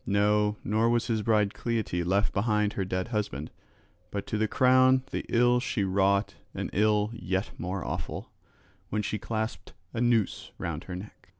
No, nor was his bride Cleite left behind her dead husband, but to crown the ill she wrought an ill yet more awful, when she clasped a noose round her neck.